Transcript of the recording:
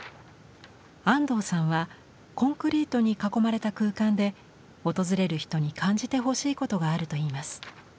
安藤さんはコンクリートに囲まれた空間で訪れる人に感じてほしいことがあるといいます。